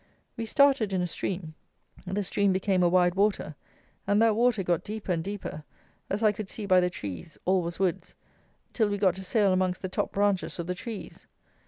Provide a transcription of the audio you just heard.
We started in a stream; the stream became a wide water, and that water got deeper and deeper, as I could see by the trees (all was woods), till we got to sail amongst the top branches of the trees.